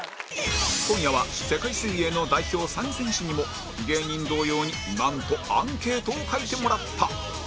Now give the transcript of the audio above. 今夜は世界水泳の代表３選手にも芸人同様になんとアンケートを書いてもらった